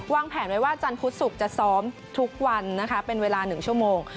แผนไว้ว่าจันทร์พุธศุกร์จะซ้อมทุกวันนะคะเป็นเวลา๑ชั่วโมง